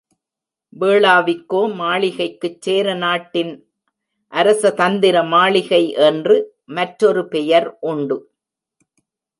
வேளாவிக்கோ மாளிகைக்குச் சேரநாட்டின் அரசதந்திர மாளிகை என்று மற்றொரு பெயர் உண்டு.